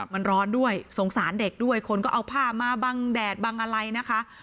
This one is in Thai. มันร้อนด้วยสงสารเด็กด้วยคนก็เอาผ้ามาบังแดดบังอะไรนะคะ